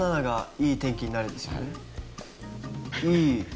いい。